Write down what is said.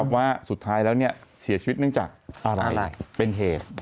ว่าสุดท้ายแล้วเสียชีวิตเนื่องจากอะไรเป็นเหตุ